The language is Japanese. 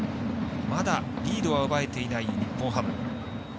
まだリードは奪えていない日本ハム。